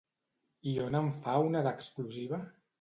I on en fa una d'exclusiva?